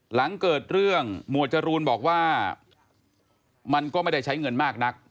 หลังเกิดเรื่องหมวดจรูนบอกว่ามันก็ไม่ได้ใช้เงินมากนัก